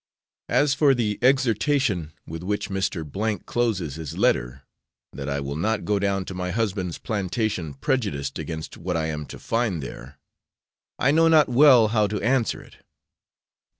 As for the exhortation with which Mr. closes his letter, that I will not 'go down to my husband's plantation prejudiced against what I am to find there,' I know not well how to answer it.